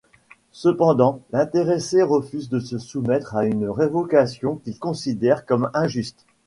Cependant, l’intéressé refuse de se soumettre à une révocation qu’il considère comme injuste.